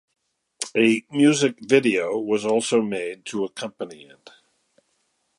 A music video was also made to accompany it.